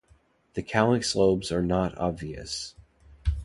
The calyx lobes are not obvious.